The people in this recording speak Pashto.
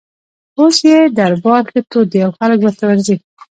اوس یې دربار ښه تود دی او خلک ورته ورځي.